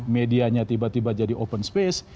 medianya tiba tiba jadi open space